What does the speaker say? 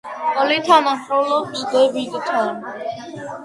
პოლი თანამშრომლობს დევიდთან.